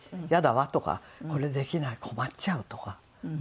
「イヤだわ」とか「これできない困っちゃう」とか。